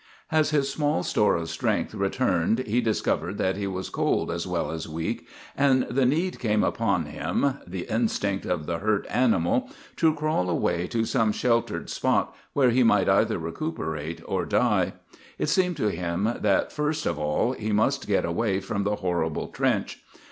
As his small store of strength returned he discovered that he was cold as well as weak, and the need came upon him the instinct of the hurt animal to crawl away to some sheltered spot where he might either recuperate or die. It seemed to him that first of all he must get away from the horrible trench.